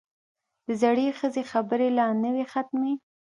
د زړې ښځې خبرې لا نه وې ختمې.